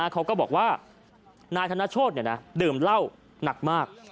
เขาก็บอกว่านายธนโชธดื่มเหล้าหนักมาก